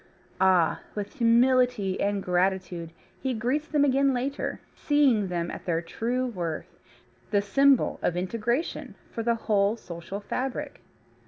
Ah! with humility and gratitude he greets them again later, seeing them at their true worth, the symbol of integration for the whole social fabric.